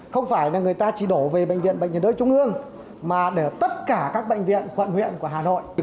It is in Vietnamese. không phải là người ta chỉ đổ về bệnh viện bệnh nhiệt đới trung ương mà để tất cả các bệnh viện quận huyện của hà nội